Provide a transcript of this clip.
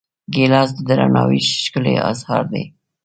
ګیلاس د درناوي ښکلی اظهار دی.